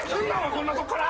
こんなとこから。